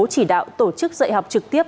chỉ đạo tổ chức dạy học trực tiếp